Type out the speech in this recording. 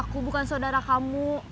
aku bukan sodara kamu